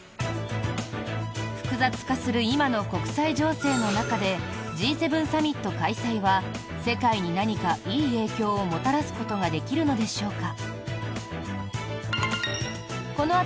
複雑化する今の国際情勢の中でＧ７サミット開催は世界に何かいい影響をもたらすことができるのでしょうか？